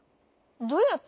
どうやって？